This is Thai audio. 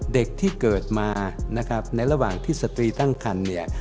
เด็กที่เกิดมานะครับในระหว่างที่สตรีตั้งคันเนี่ย